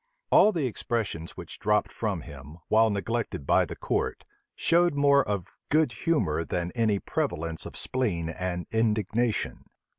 All the expressions which dropped from him, while neglected by the court, showed more of good humor than any prevalence of spleen and indignation.